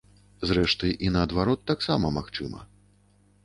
Зрэшты, і наадварот таксама магчыма.